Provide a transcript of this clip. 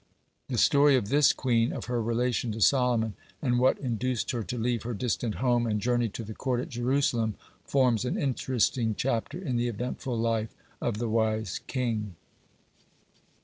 (37) The story of this queen, of her relation to Solomon, and what induced her to leave her distant home and journey to the court at Jerusalem forms an interesting chapter in the eventful life of the wise king.